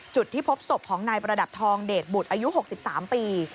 จุดที่พบศพของนายประดับทองเดชบุตรอายุ๖๓ปี